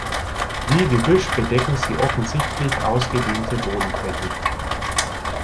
Wie Gebüsch bedecken sie offensichtlich ausgedehnte Bodenflächen.